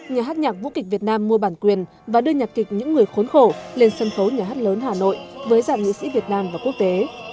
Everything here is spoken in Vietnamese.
nhà hát nhạc vũ kịch việt nam mua bản quyền và đưa nhạc kịch những người khốn khổ lên sân khấu nhà hát lớn hà nội với dạng nghị sĩ việt nam và quốc tế